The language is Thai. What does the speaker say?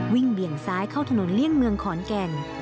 เบี่ยงซ้ายเข้าถนนเลี่ยงเมืองขอนแก่น